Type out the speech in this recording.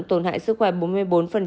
tổn hại sức khỏe bốn mươi bốn